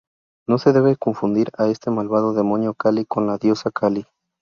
No se debe confundir a este malvado demonio Kali con la diosa Kali.